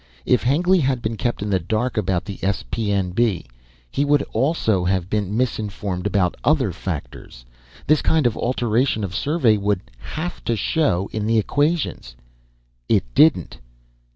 If Hengly had been kept in the dark about the S.P.N.B., he would also have been misinformed about other factors. This kind of alteration of survey would have to show in the equations. It didn't.